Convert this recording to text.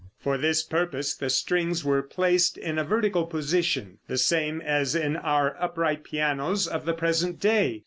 For this purpose the strings were placed in a vertical position, the same as in our upright pianos of the present day.